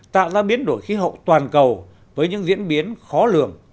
tạo ra biến đổi khí hậu toàn cầu với những diễn biến khó lường